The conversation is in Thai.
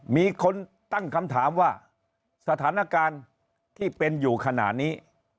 มีคนตั้งคำถามว่าสถานการณ์ที่เป็นอยู่ขณะนี้